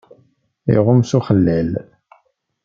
Iɣum s uxellal.